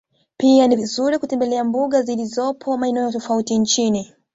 Pia ni vizuri kutembele mbuga ziolizopo maeneo tofauti nchini